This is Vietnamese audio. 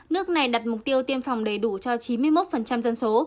nước này đặt mục tiêu tiêm phòng đầy đủ cho chín mươi một dân số